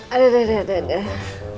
aduh aduh aduh